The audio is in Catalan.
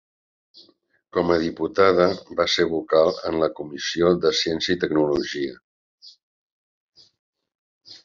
Com a diputada va ser vocal en la comissió de Ciència i Tecnologia.